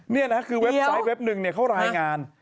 นี่นะครับคือเว็บไซต์เว็บหนึ่งเค้ารายงาน